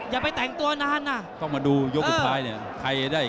อย่าไปแต่งตัวนานนะต้องมาดูยกสุดท้ายเนี่ยใครได้